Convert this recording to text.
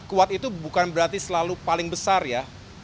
kuat itu bukan berarti selalu paling besar ya